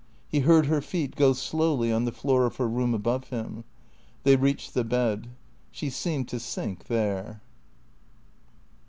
He heard her feet go slowly on the floor of her room above him. They reached the bed. She seemed to sink there.